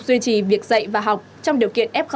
duy trì việc dạy và học trong điều kiện f